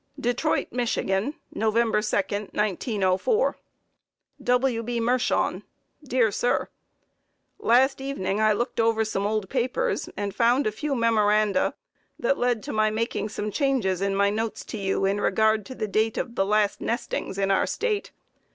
Detroit, Mich., November 2, 1904. W. B. Mershon: Dear Sir: Last evening I looked over some old papers and found a few memoranda that lead to my making some changes in my notes to you in regard to the date of last nestings in our State.